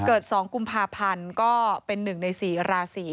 เกิดสองกุมภาพันธ์ก็เป็นหนึ่งในสี่ราศรี